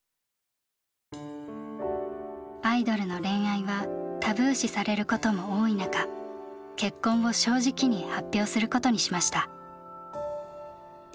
アイドルの恋愛はタブー視されることも多い中結婚を正直に発表することにしました。